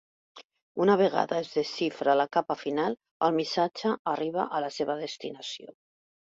Una vegada es desxifra la capa final, el missatge arriba a la seva destinació.